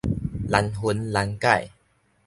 難分難解